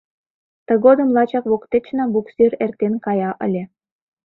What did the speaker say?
Тыгодым лачак воктечна буксир эртен кая ыле.